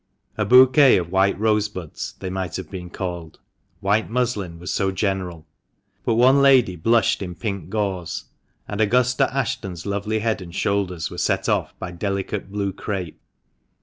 A bouquet of white rosebuds they might have been called, white muslin was so general ; but one young lady blushed in pink gauze, and Augusta Ashton's lovely head and shoulders were set off by delicate blue crape.